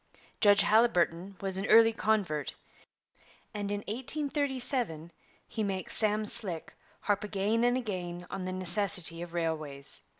Judge Haliburton was an early convert; and in 1837 he makes 'Sam Slick' harp again and again on the necessity of railways.